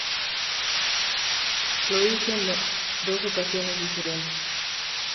Lo hice en dos ocasiones diferentes.